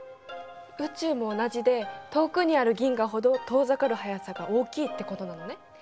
宇宙も同じで遠くにある銀河ほど遠ざかる速さが大きいってことなのね。